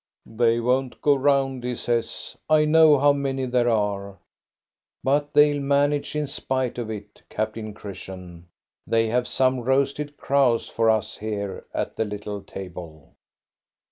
"They won't go round," he says. "I know how many there are. But they '11 manage in spite of it, Captain Christian ; they have some roasted crows for us here at the little table."